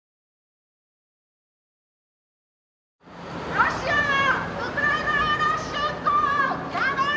ロシアはウクライナへの侵攻をやめろ！